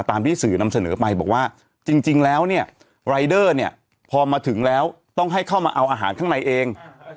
ที่สื่อนำเสนอไปบอกว่าจริงแล้วเนี่ยรายเดอร์เนี่ยพอมาถึงแล้วต้องให้เข้ามาเอาอาหารข้างในเอง